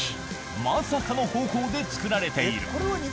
まさかの方法で作られている。